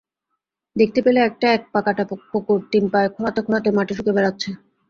দেখতে পেলে একটা এক-পা-কাটা কুকুর তিন পায়ে খোঁড়াতে খোঁড়াতে মাটি শুঁকে বেড়াচ্ছে।